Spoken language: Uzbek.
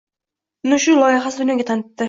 Uni shu loyihasi dunyoga tanitdi.